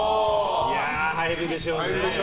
入るでしょうね。